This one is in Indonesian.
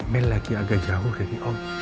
mel lagi agak jauh dari om